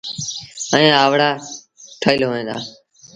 ائيٚݩ اَوآڙآ ٺهيٚل هوئيݩ دآ۔